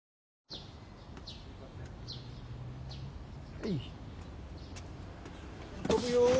はい運ぶよ